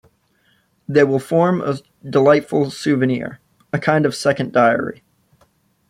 They will form a delightful souvenir, a kind of second diary.